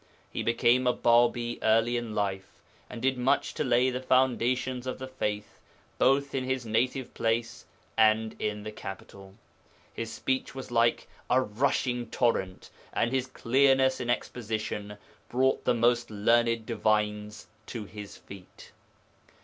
He became a Bābī early in life, and did much to lay the foundations of the faith both in his native place and in the capital. His speech was like a 'rushing torrent,' and his clearness in exposition brought the most learned divines to his feet.